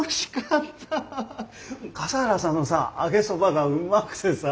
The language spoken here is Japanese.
笠原さんのさ揚げそばがうまくてさ。